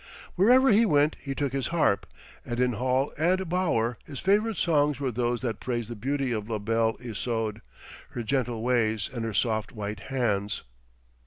Whereever he went he took his harp, and in hall and bower his favourite songs were those that praised the beauty of La Belle Isoude, her gentle ways and her soft white hands.